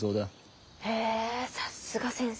へさっすが先生。